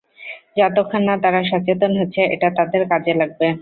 যতক্ষণ না তারা সচেতন হচ্ছে এটা তাদের কাজে লাগবে।